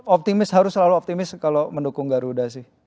optimis harus selalu optimis kalau mendukung garuda sih